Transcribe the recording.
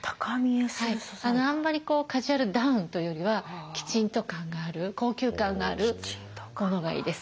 あんまりこうカジュアルダウンというよりはきちんと感がある高級感があるものがいいです。